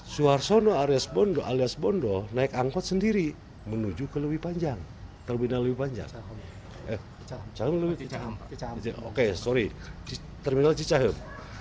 suharsono alias bondol naik angkot sendiri menuju ke terminal cicahem